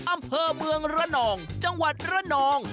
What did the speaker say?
อำเภอเมืองระนองจังหวัดระนอง